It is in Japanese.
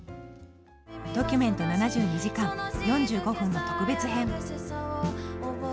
ドキュメント７２時間、４５分の特別編。